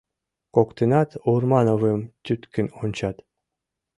Коктынат Урмановым тӱткын ончат.